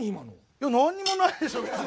いや何にもないでしょ別に。